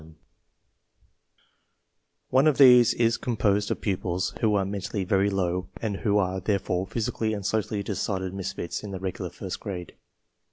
One of these is composed of pupils who are mentally very low and who are, therefore, physically and socially decided misfits in the regular first grade.